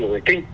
một người kinh